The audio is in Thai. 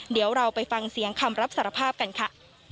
เดี๋ยวเราไปฟังเสียงคำรับสารภาพกันค่ะ